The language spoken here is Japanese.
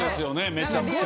めちゃくちゃ。